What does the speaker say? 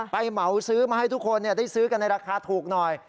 เหมาซื้อมาให้ทุกคนได้ซื้อกันในราคาถูกหน่อย